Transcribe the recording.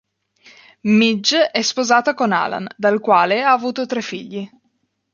Midge è sposata con Alan, dal quale ha avuto tre figli.